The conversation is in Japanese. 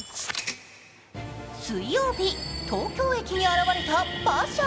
水曜日、東京駅に現れた馬車。